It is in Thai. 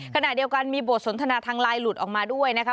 ขณะเดียวกันมีบทสนทนาทางไลน์หลุดออกมาด้วยนะคะ